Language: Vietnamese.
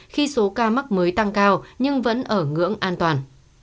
khi số ca mắc mới tăng cao nhưng vẫn ở ngưỡng an toàn